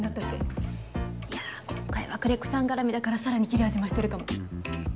いやあ今回は久連木さん絡みだからさらに切れ味増してるかも。